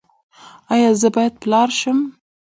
ایا زه باید پلار شم؟